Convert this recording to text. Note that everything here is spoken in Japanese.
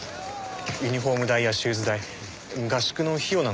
ユニホーム代やシューズ代合宿の費用なんかも気にせずにね。